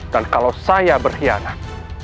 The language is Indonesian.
dan kalau saya berkhianat